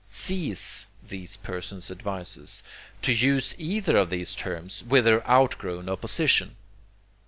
Cease, these persons advise us, to use either of these terms, with their outgrown opposition.